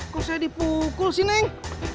kok saya dipukul sih neng